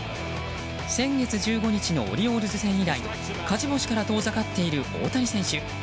先月１５日のオリオールズ戦以来勝ち星から遠ざかっている大谷選手。